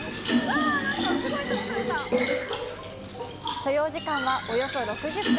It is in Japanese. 所要時間はおよそ６０分。